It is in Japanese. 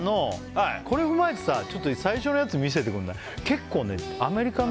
これを踏まえてさちょっと最初のやつ見せてくれない？